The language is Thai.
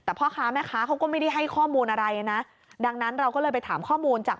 แต่พ่อค้าแม่ค้าเขาก็ไม่ได้ให้ข้อมูลอะไรนะดังนั้นเราก็เลยไปถามข้อมูลจาก